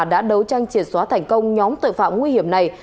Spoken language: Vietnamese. đã đấu tranh triệt xóa thành công nhóm tội phạm nguy hiểm này